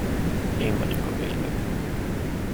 Én vagyok a mérnök.